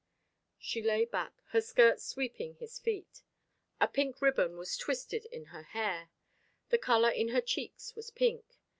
She lay back, her skirts sweeping his feet. A pink ribbon was twisted in her hair. The colour in her cheeks was pink.